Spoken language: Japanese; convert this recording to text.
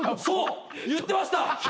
そう言ってました。